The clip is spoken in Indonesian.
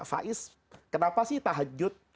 faiz kenapa sih tahajud